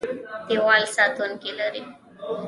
دیوال ساتونکي لري.